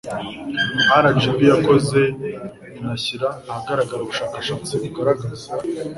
rgb yakoze inashyira ahagaragara ubushakashatsi bugaragaza